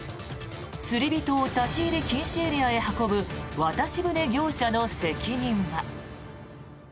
釣り人を立ち入り禁止エリアへ運ぶ渡し船業者の責任は。